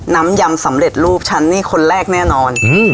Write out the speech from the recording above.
ยำสำเร็จรูปฉันนี่คนแรกแน่นอน